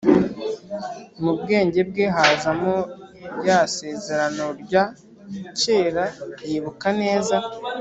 mu bwenge bwe hazamo rya sezeranorya kera yibuka neza